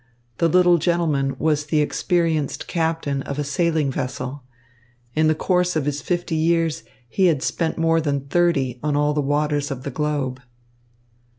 The little gentleman was the experienced captain of a sailing vessel. In the course of his fifty years, he had spent more than thirty on all the waters of the globe.